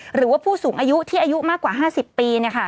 หรือว่าผู้สูงอายุที่อายุมากกว่า๕๐ปี